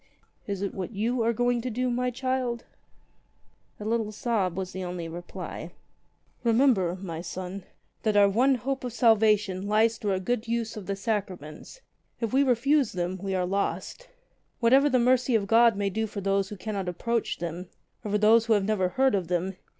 "Is it what you are going to do, my child ?" A little sob was the only reply. "Remember, my son, that our one hope of salvation lies through a good use of the sacraments. If we refuse them we are lost. Whatever the mercy of God may do for those who cannot approach them, or for those who have never heard of them.